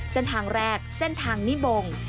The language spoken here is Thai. เส้นทางแรกเส้นทางนิบง